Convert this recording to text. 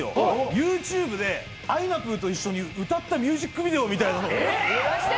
ＹｏｕＴｕｂｅであいなぷぅと一緒に歌ったミュージックビデオみたいなの。